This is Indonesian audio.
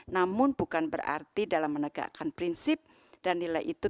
namun bukan berarti dalam menegakkan prinsip dan nilai itu